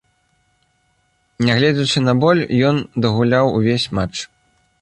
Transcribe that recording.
Нягледзячы на боль, ён дагуляў увесь матч.